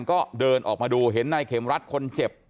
ก็เดินออกมาดูเห็นนายเข็มรัฐคนเจ็บ